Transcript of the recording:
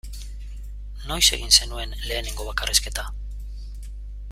Noiz egin zenuen lehenengo bakarrizketa?